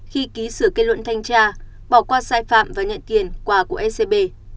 khi ký sửa kết luận thanh tra bỏ qua sai phạm và nhận tiền quà của scb